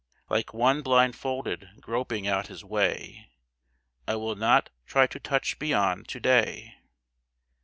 Like one blindfolded groping out his way, I will not try to touch beyond to day.